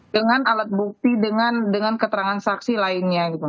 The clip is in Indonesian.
dengan alat bukti dengan keterangan saksi lainnya gitu